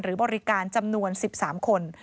หรือบริการจำนวน๑๓คน